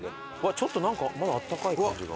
「ちょっとなんかまだあったかい感じが」